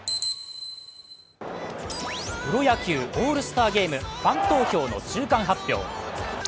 プロ野球オールスターゲームファン投票の中間発表。